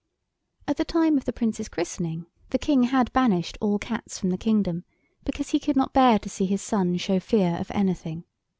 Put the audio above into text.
At the time of the Prince's christening the King had banished all cats from the kingdom, because he could not bear to see his son show fear of anything.